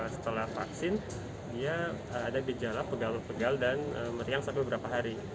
setelah vaksin dia ada gejala pegal pegal dan meriang sampai beberapa hari